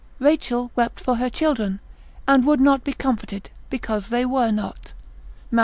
Rachel wept for her children, and would not be comforted because they were not. Matt.